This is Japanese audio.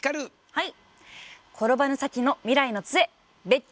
はい。